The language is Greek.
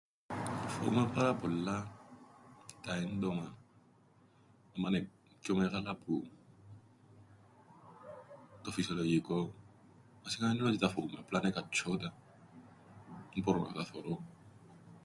Φοούμαι πάρα πολλά τα έντομα. Άμαν εν' πιο μεγάλα που... το φυσιολογικόν... Βασικά έννεν ότι τα φοούμαι, απλά νεκατσ̆ιώ τα. Εν μπορώ να τα θωρώ.